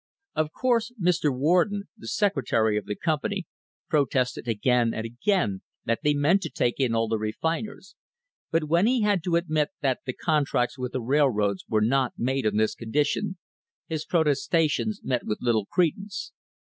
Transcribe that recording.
Of course Mr. Warden, the secretary of the company, protested again and again that they meant to take in all the refiners, but when he had to admit that the contracts with the railroads were not made on this condition, his protestations met with little credence.